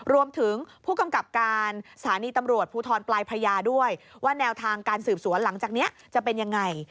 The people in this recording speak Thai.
รวมถึงผู้กำกับการสถานีตำรวจภูทรปลายพระยาด้วยว่าแนวทางการสืบสวนหลังจากนี้จะเป็นยังไง